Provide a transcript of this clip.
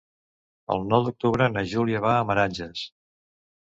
El nou d'octubre na Júlia va a Meranges.